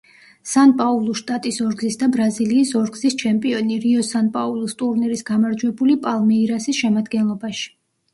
სან-პაულუს შტატის ორგზის და ბრაზილიის ორგზის ჩემპიონი, რიო-სან-პაულუს ტურნირის გამარჯვებული „პალმეირასის“ შემადგენლობაში.